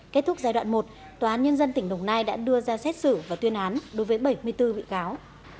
kết thúc giai đoạn một tòa án nhân dân tỉnh đồng nai đã đưa ra xét xử và tuyên án đối với bảy mươi bốn bị cáo